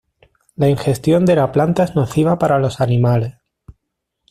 La ingestión de la planta es nociva para los animales.